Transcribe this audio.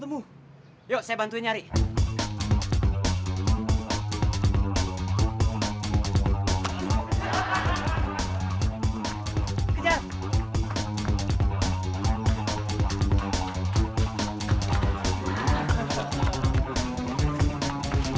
lu buat apa ngasih gantuan bensin